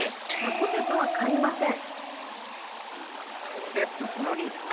ポテトは買いません！